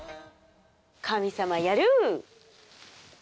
神様やる。